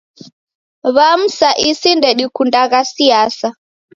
W'amu sa isi ndedikundagha siasa.